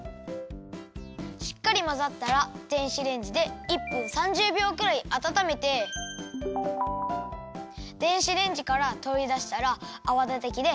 しっかりまざったら電子レンジで１分３０びょうくらいあたためて電子レンジからとりだしたらあわだてきですばやくかきまぜるよ。